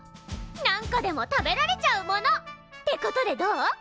何個でも食べられちゃうもの！ってことでどう？